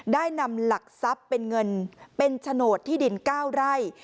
ได้นำหลักทรัพย์เป็นเงินเป็นโฉนดที่ดิน๙ไร่